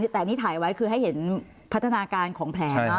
แต่นี่ถ่ายไว้คือให้เห็นพัฒนาการของแผล